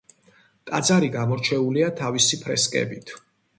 ტაძარი გამორჩეულია თავისი ფრესკებით.